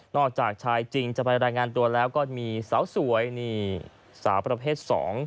จากชายจริงจะไปรายงานตัวแล้วก็มีสาวสวยนี่สาวประเภท๒